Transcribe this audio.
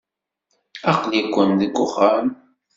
Aql-iken deg uxxam.